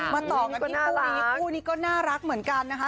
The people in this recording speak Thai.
ต่อกันที่คู่นี้คู่นี้ก็น่ารักเหมือนกันนะคะ